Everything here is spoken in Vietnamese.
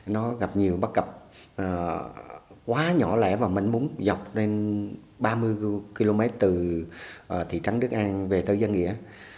nó gặp nhiều bắt gặp quá nhỏ lẻ và mảnh múng dọc lên ba mươi km từ thị trắng đức an về tây giang nghĩa